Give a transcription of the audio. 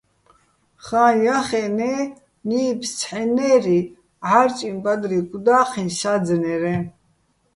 ხაჼ ჲახენე́, ნიფს ცჰ̦ენნე́ჲრი, ჺარჭიჼ ბადრი გუდა́ჴიჼ საძნერეჼ.